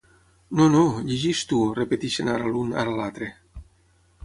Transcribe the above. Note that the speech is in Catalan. No, no, llegeix tu —repeteixen, ara l'un, ara l'altre—.